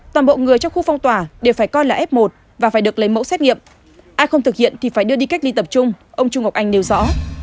toàn bộ người trong khu phong tỏa đều phải coi là f một và phải được lấy mẫu xét nghiệm ai không thực hiện thì phải đưa đi cách ly tập trung ông trung ngọc anh nêu rõ